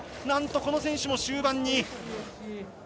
なんとこの選手も終盤に。